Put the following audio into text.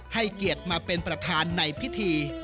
ให้เกียรติมาเป็นประธานในพิธี